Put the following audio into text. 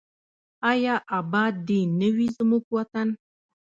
آیا اباد دې نه وي زموږ وطن؟